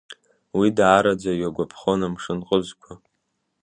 Уи даараӡа иагәаԥхон амшынҟызқәа.